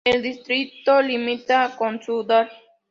El distrito limita con Sudán.